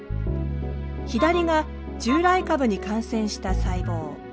左が従来株に感染した細胞。